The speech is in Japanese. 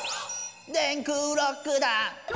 「電空ロックだ」